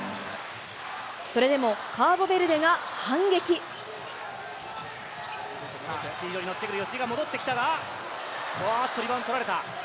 それでも、カーボベルデが反スピードに乗ってくる、吉井が戻ってきたが、リバウンド、取られた。